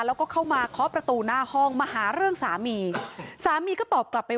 แล้วก็เข้ามาเคาะประตูหน้าห้องมาหาเรื่องสามีสามีก็ตอบกลับไป